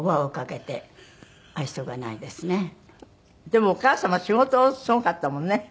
でもお母様仕事すごかったもんね。